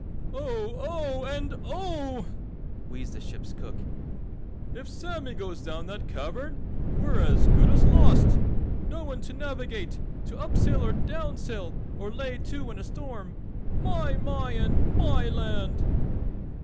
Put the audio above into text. "Oh! Oh! and OH!" wheezed the ship's cook, "If Sammy goes down that cavern we're as good as lost. No one to navigate, to up sail or down sail or lay to in a storm. My, My and MYland!"